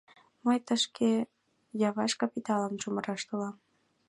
— Мый тышке Яваш капиталым чумыраш толам.